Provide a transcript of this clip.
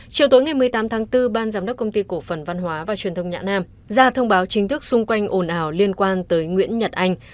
chiều tối ngày một mươi tám tháng bốn ban giám đốc công ty cổ phần văn hóa và truyền thông nhạ nam ra thông báo chính thức xung quanh ồn ào liên quan tới nguyễn nhật anh